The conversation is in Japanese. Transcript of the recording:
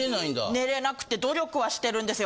寝れなくて努力はしてるんですよ。